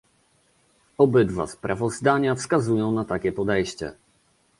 Obydwa sprawozdania wskazują na takie podejście